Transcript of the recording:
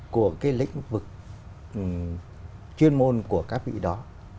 của cái lĩnh vực chuyên môn của các vị đó